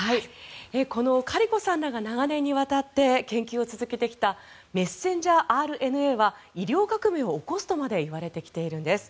このカリコさんらが長年にわたって研究を続けてきたメッセンジャーＲＮＡは医療革命を起こすとまで言われてきているんです。